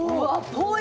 ぽい。